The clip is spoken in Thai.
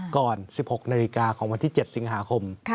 ก่อน๑๖นาฬิกาของวันที่๗สิงหาคม